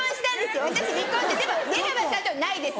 離婚したでも出川さんとはないです。